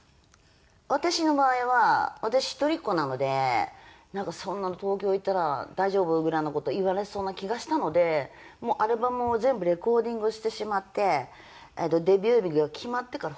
私の場合は私一人っ子なのでそんな「東京行ったら大丈夫？」ぐらいの事言われそうな気がしたのでもうアルバムを全部レコーディングしてしまってデビュー日が決まってから報告しました。